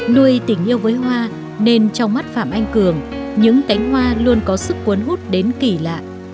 nuôi tình yêu với hoa nên trong mắt phạm anh cường những cánh hoa luôn có sức quấn hút đến kỳ lạ